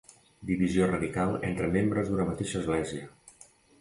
Divisió radical entre membres d'una mateixa església.